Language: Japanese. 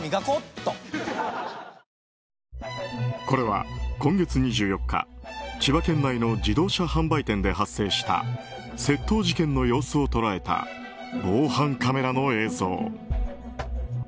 これは今月２４日千葉県内の自動車販売店で発生した窃盗事件の様子を捉えた防犯カメラの映像。